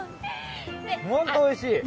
本当おいしい。